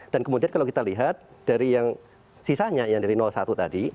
dan kemudian kalau kita lihat dari yang sisanya yang dari satu tadi